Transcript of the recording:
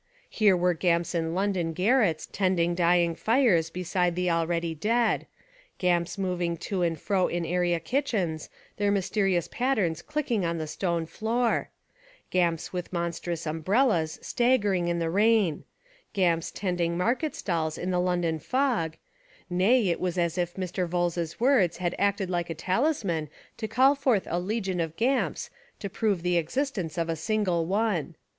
Here were Gamps in London garrets tending dying fires beside the already dead, — Gamps moving to and fro in area kitchens, their mysterious pattens clicking on the stone floor — Gamps with monstrous umbrellas staggering in the rain, — Gamps tending market stalls in the London fog, — nay, it was as if Mr. Vholes' words had acted like a talisman to call forth a legion of Gamps to prove the existence of a single one.